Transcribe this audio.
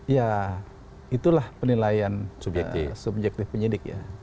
ya itulah penilaian subjektif penyidik ya